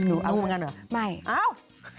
หนูเอาเหมือนกันเหรอไม่อ้าว